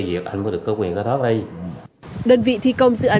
việc chở đất bán ra ngoài do đơn vị thi công thực hiện